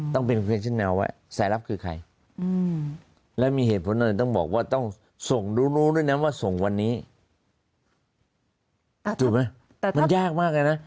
ถูกไหมมันยากมากเลยนะ